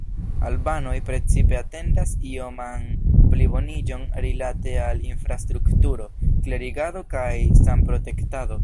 Albanoj precipe atendas ioman pliboniĝon rilate al infrastrukturo, klerigado kaj sanprotektado.